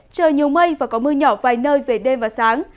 trời nhiều mây và có mưa nhỏ vài nơi về đêm và sáng